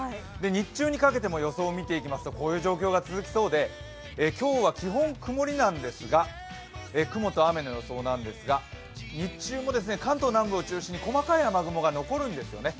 日中にかけても予想をみていくとこういう状況が続きそうで今日は基本、曇りなんですが雲と雨の予想ですが日中も関東南部を中心に細かい雨雲が残るんですよね。